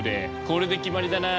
これで決まりだな。